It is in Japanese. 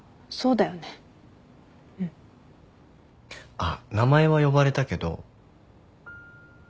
あっ名前は呼ばれたけど。